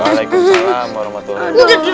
waalaikumsalam warahmatullahi wabarakatuh